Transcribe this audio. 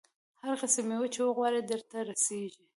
هر قسم مېوه چې وغواړې درته رسېږي.